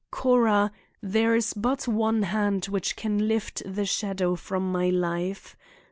Cora, there is but one hand which can lift the shadow from my life.